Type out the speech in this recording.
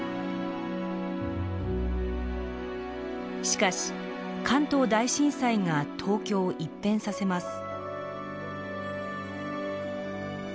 しかし関東大震災が東京を一変させます。